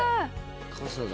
傘だ。